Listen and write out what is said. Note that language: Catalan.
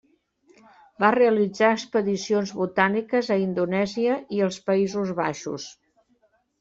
Va realitzar expedicions botàniques a Indonèsia i als Països Baixos.